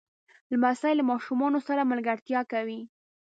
لمسی له ماشومانو سره ملګرتیا کوي.